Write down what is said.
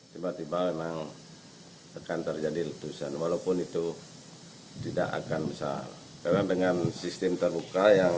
tiba tiba memang akan terjadi letusan walaupun itu tidak akan besar karena dengan sistem terbuka yang